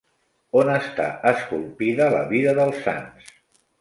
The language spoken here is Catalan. On està esculpida la vida dels Sants?